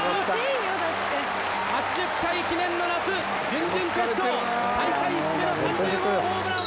８０回記念の夏準々決勝大会締めの３０号ホームラン！